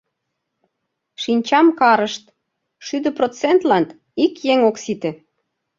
Шинчам карышт: шӱдӧ процентлан ик еҥ ок сите.